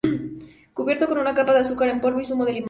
Cubierto con una capa de azúcar en polvo y zumo de limón.